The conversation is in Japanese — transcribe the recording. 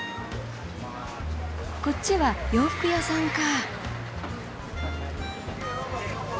こっちは洋服屋さんか。